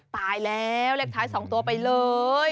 ตายแล้วเลขท้าย๒ตัวไปเลย